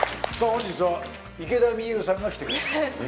本日は池田美優さんが来てくれました